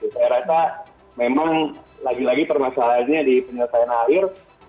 saya rasa memang lagi lagi permasalahannya di penyelesaian air